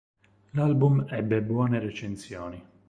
L'album ebbe buone recensioni.